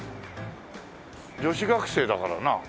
女子学生だからな。